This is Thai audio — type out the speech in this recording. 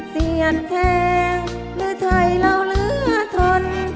เสียงแท้หรือไทยเราเหลือทน